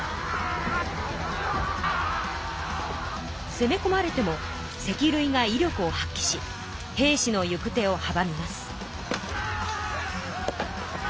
せめこまれても石るいがいりょくを発きし兵士の行く手をはばみます。